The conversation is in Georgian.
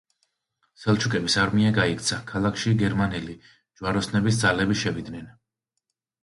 სელჩუკების არმია გაიქცა, ქალაქში გერმანელი ჯვაროსნების ძალები შევიდნენ.